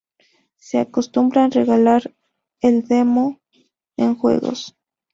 Se acostumbra regalar el Domo en Juegos.